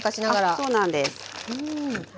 あっそうなんです。